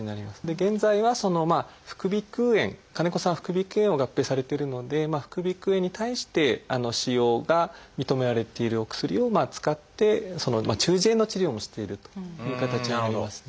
現在は副鼻腔炎金子さんは副鼻腔炎を合併されているので副鼻腔炎に対して使用が認められているお薬を使って中耳炎の治療もしているという形になりますね。